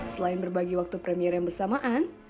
selain berbagi waktu premier yang bersamaan